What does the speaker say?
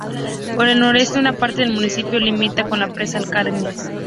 Por el noroeste una parte del municipio limita con la Presa Alacranes.